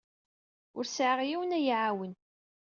Ur sɛiɣ yiwen ad iyi-iɛawen.